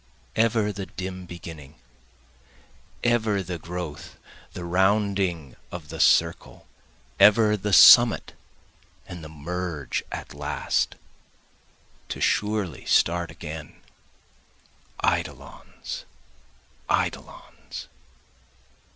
Ever the dim beginning, Ever the growth, the rounding of the circle, Ever the summit and the merge at last, (to surely start again,) Eidolons! eidolons!